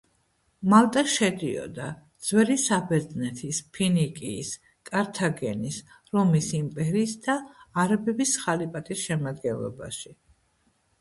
მალტა შედიოდა: ძველი საბერძნეთის, ფინიკიის, კართაგენის, რომის იმპერიის და არაბების ხალიფატის შემადგენლობაში.